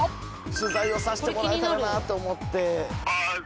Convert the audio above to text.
取材をさせてもらえたらなと思って。